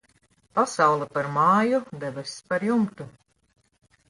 Pasaule par māju, debess par jumtu.